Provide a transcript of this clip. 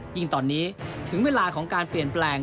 ยิ่งตอนนี้ถึงเวลาของการเปลี่ยนแปลง